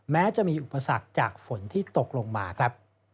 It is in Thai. แม้จะมีอุปสรรคจากฝนที่ตกลงมาครับ